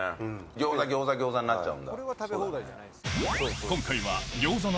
餃子餃子餃子になっちゃう。